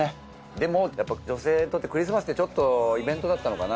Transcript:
でもやっぱ女性にとってクリスマスってちょっとイベントだったのかな